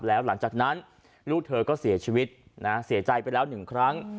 แล้วหลังจากนั้นลูกเธอก็เสียชีวิตนะเสียใจไปแล้วหนึ่งครั้ง